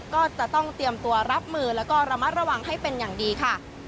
ก็จะต้องเตรียมตัวรับมือแล้วก็ระมัดระวังให้เป็นอย่างดีค่ะ